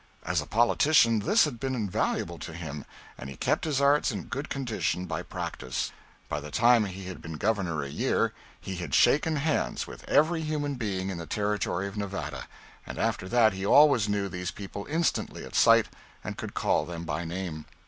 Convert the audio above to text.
As a politician this had been valuable to him, and he kept his arts in good condition by practice. By the time he had been Governor a year, he had shaken hands with every human being in the Territory of Nevada, and after that he always knew these people instantly at sight and could call them by name.